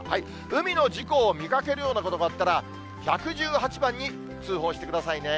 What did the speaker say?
海の事故を見かけるようなことがあったら、１１８番に通報してくださいね。